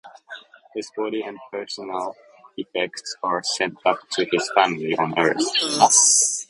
His body and personal effects are sent back to his family on Earth.